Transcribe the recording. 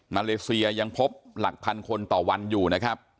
เลเซียยังพบหลักพันคนต่อวันอยู่นะครับ